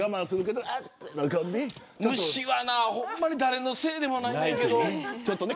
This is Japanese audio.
虫は、ほんま誰のせいでもないけど。